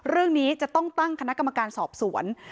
เรื่องนี้จะต้องตั้งคณะกรรมการสอบสวน